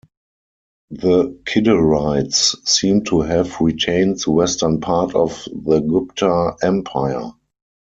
The Kidarites seem to have retained the western part of the Gupta Empire.